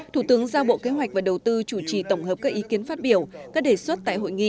thủ tướng giao bộ kế hoạch và đầu tư chủ trì tổng hợp các ý kiến phát biểu các đề xuất tại hội nghị